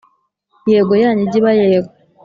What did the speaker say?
Yego yanyu ijye iba Yego